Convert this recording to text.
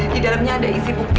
di dalamnya ada isi bukti